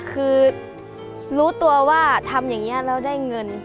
คือรู้ตัวว่าทำอย่างนี้แล้วได้เงิน